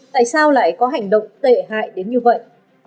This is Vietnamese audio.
tại sao lại có hành động tệ hại đến như vậy